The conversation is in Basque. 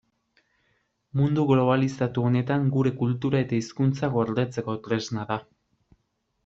Mundu globalizatu honetan gure kultura eta hizkuntza gordetzeko tresna da.